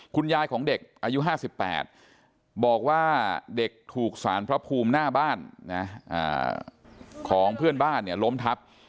คุณยายของเด็กอายุ๕๘บอกว่าเด็กถูกสารพระภูมิหน้าบ้านของเพื่อนบ้านเนี่ยล้มทับ